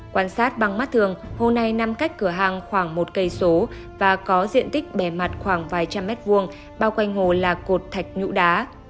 quan sát bằng mắt thường hồ này nằm cách cửa hàng khoảng một cây số và có diện tích bề mặt khoảng vài trăm mét vuông bao quanh hồ là cột thạch nhũ đá